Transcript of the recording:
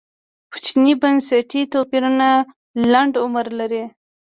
کوچني بنسټي توپیرونه لنډ عمر لري.